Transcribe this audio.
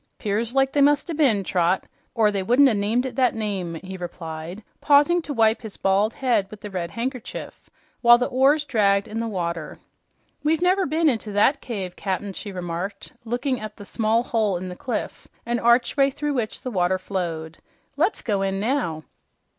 "'Pears like there must o' been, Trot, or they wouldn't o' named it that name," he replied, pausing to wipe his bald head with the red handkerchief while the oars dragged in the water. "We've never been into that cave, Cap'n," she remarked, looking at the small hole in the cliff an archway through which the water flowed. "Let's go in now."